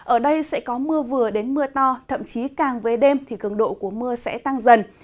ở đây sẽ có mưa vừa đến mưa to thậm chí càng về đêm thì cường độ của mưa sẽ tăng dần